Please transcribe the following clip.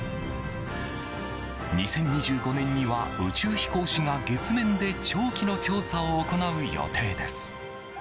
２０２５年には宇宙飛行士が月面で長期の調査を行う予定です。